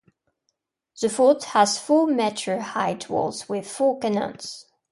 The fort has four metre high walls with four canons.